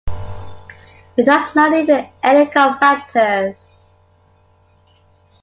It does not need any cofactors.